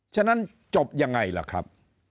ฉะนั้นจบยังไงล่ะครับ